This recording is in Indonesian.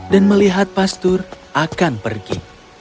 dan melihat pastur akan pergi